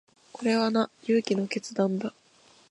これはな、勇気の切断だ。